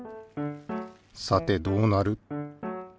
さてどうなる？